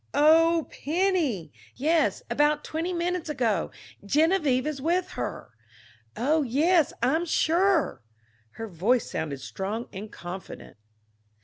"O o oh, Penny! Yes, about twenty minutes ago. Geneviève is with her.... Oh, yes, I'm sure." Her voice sounded strong and confident.